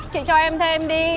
chị cho em thêm đi